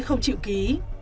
không chịu ký